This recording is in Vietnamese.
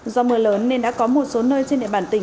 do mưa lớn nên đã có một số nơi trên địa bàn tỉnh